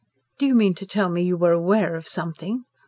"Do you mean to tell me you were aware of something?"